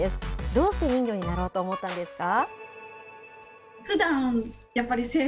どうして人魚になろうと思ったんですか？